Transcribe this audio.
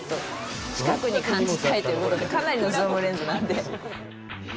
近くに感じたいということでかなりのズームレンズなんで。